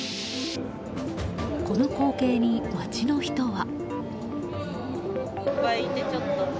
この光景に、街の人は。